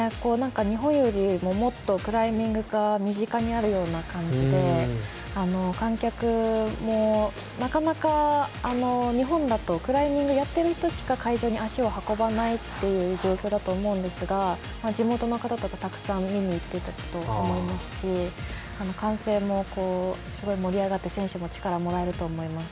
日本よりも、もっとクライミングが身近にあるような感じで観客も、なかなか日本だとクライミングやってる人しか会場に足を運ばないという状況だと思うんですが、地元の方とかたくさん見に来ていると思いますし歓声もすごい盛り上がって選手も力をもらえると思います。